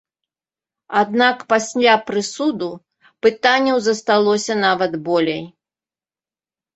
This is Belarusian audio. Аднак пасля прысуду пытанняў засталося нават болей.